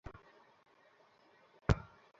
তারা তার উপর এক ধরনের প্রভাব অনুভব করছিল।